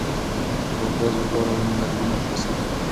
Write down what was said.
که ګاز وکاروو نو لرګي نه خلاصیږي.